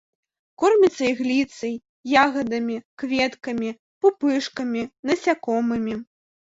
Корміцца ігліцай, ягадамі, кветкамі, пупышкамі, насякомымі.